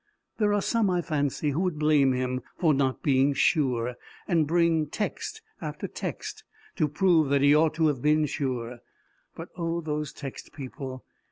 There are some, I fancy, who would blame him for not being sure, and bring text after text to prove that he ought to have been sure. But oh those text people!